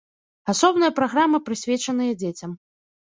Асобныя праграмы прысвечаныя дзецям.